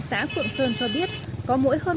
xã phượng sơn cho biết có mỗi hơn